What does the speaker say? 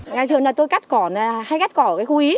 ngày thường là tôi hay cắt khỏ ở cái khu ý